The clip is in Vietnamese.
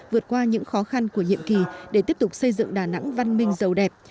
vượt qua những khó khăn của nhiệm kỳ để tiếp tục xây dựng đà nẵng văn minh giàu đẹp